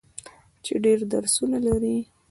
چې ډیر درسونه لري.